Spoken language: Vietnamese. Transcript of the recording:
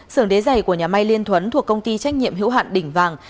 sườn đế dày của nhà may liên thuấn thuộc công ty trách nhiệm hữu hạn đỉnh vàng